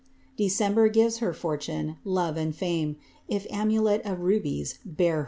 December gives her fortune, love and fame If amulet of rubies bear her name.